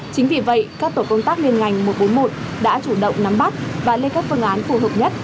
chính vì vậy các tổ công tác liên ngành một trăm bốn mươi một đã chủ động nắm bắt và lên các phương án phù hợp nhất